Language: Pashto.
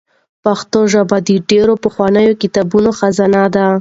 پښتو ژبه د ډېرو پخوانیو کتابونو خزانه ده.